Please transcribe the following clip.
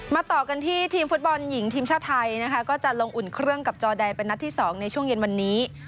ต่อกันที่ทีมฟุตบอลหญิงทีมชาติไทยนะคะก็จะลงอุ่นเครื่องกับจอแดนเป็นนัดที่๒ในช่วงเย็นวันนี้